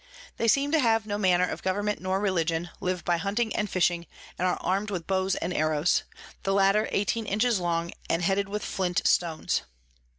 They seem to have no manner of Government nor Religion, live by Hunting and Fishing, and are arm'd with Bows and Arrows; the latter 18 Inches long, and headed with Flint Stones.